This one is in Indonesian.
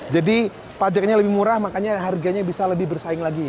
jadi pajaknya lebih murah makanya harganya bisa lebih bersaing lagi